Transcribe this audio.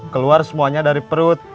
keluar semuanya dari perut